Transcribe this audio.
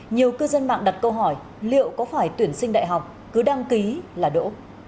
nhiều cư dân mạng đặt câu hỏi liệu có phải tuyển sinh đại học cứ đăng ký là đỗ